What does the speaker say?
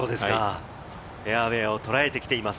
フェアウエーをとらえてきています。